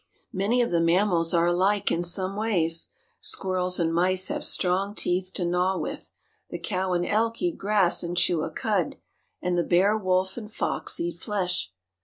Many of the mammals are alike in some ways. Squirrels and mice have strong teeth to gnaw with; the cow and elk eat grass and chew a cud, and the bear, wolf, and fox eat flesh.